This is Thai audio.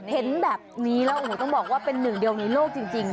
เห็นแบบนี้แล้วโอ้โหต้องบอกว่าเป็นหนึ่งเดียวในโลกจริง